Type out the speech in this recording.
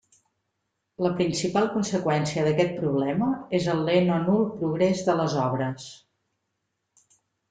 La principal conseqüència d'aquest problema és el lent o nul progrés de les obres.